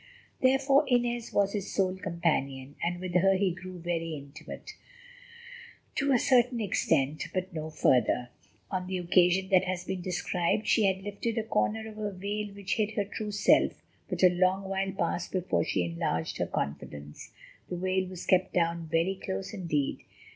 Therefore Inez was his sole companion, and with her he grew very intimate, to a certain extent, but no further. On the occasion that has been described she had lifted a corner of her veil which hid her true self, but a long while passed before she enlarged her confidence. The veil was kept down very close indeed.